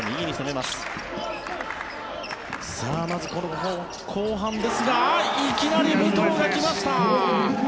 まず、後半ですがいきなり武藤が来ました！